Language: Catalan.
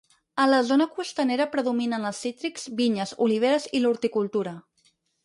A la zona costanera predominen els cítrics, vinyes, oliveres i l'horticultura.